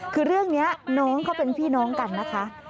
คือเรื่องนี้น้องเขาเป็นพี่น้องกันนะคะ